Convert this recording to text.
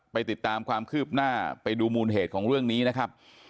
ไปติดตามความคืบหน้าไปดูมูลเหตุของเรื่องนี้นะครับ